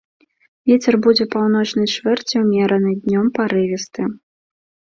Вецер будзе паўночнай чвэрці ўмераны, днём парывісты.